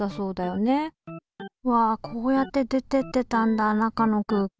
わこうやって出てってたんだ中の空気。